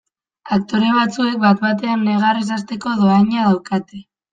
Aktore batzuek bat batean negarrez hasteko dohaina daukate.